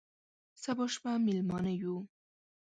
سبا شپه مېلمانه یو،